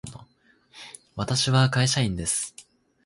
私は会社員です。